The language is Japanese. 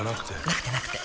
なくてなくて